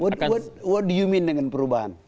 apa maksud anda dengan perubahan